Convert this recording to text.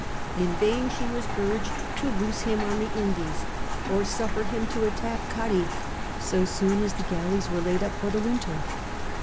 In vain she was urged to loose him on the Indies or suffer him to attack Cadiz so soon as the galleys were laid up for the winter.